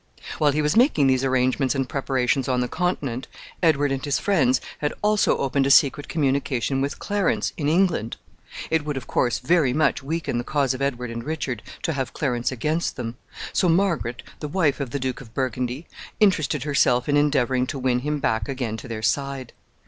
While he was making these arrangements and preparations on the Continent, Edward and his friends had also opened a secret communication with Clarence in England. It would, of course, very much weaken the cause of Edward and Richard to have Clarence against them; so Margaret, the wife of the Duke of Burgundy, interested herself in endeavoring to win him back again to their side.